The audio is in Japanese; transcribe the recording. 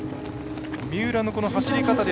三浦の走り方